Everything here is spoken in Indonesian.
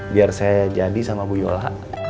biar saya jadi sama bu yola